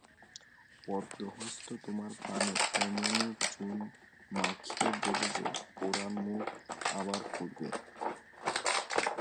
পদ্মহস্ত তোমার পানে এমনি চুন মাখিয়ে দেবে যে, পোড়ার মুখ আবার পুড়বে।